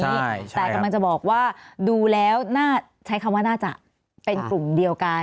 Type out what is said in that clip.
ใช่แต่กำลังจะบอกว่าดูแล้วน่าใช้คำว่าน่าจะเป็นกลุ่มเดียวกัน